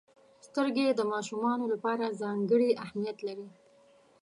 • سترګې د ماشومانو لپاره ځانګړې اهمیت لري.